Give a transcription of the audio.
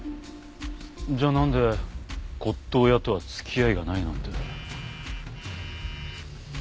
じゃあなんで骨董屋とは付き合いがないなんて。